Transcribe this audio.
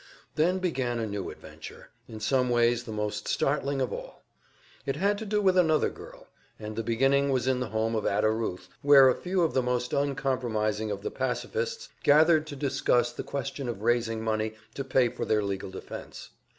Then began a new adventure, in some ways the most startling of all. It had to do with another girl, and the beginning was in the home of Ada Ruth, where a few of the most uncompromising of the pacifists gathered to discuss the question of raising money to pay for their legal defense.